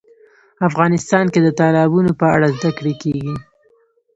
افغانستان کې د تالابونو په اړه زده کړه کېږي.